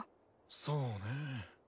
そうねぇ。